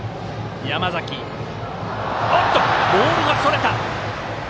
山崎、ボールがそれた。